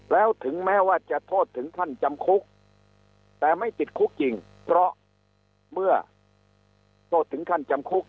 แล้วถึงแม้ว่าจะโทษถึงขั้นจำคุกแต่ไม่ติดคุกจริงเพราะเมื่อโทษถึงขั้นจำคุก